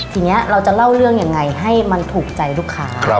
ทีนี้เราจะเล่าเรื่องยังไงให้มันถูกใจลูกค้า